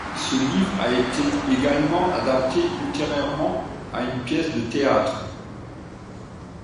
Ce livre a également été adapté ultérieurement en une pièce de théâtre.